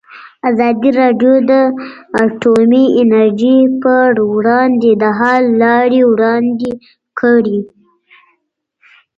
ازادي راډیو د اټومي انرژي پر وړاندې د حل لارې وړاندې کړي.